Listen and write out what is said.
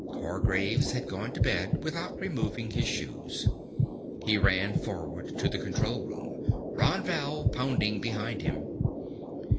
Hargraves had gone to bed without removing even his shoes. He ran forward to the control room, Ron Val pounding behind him.